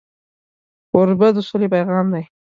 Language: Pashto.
کوربه د سولې پیغام دی.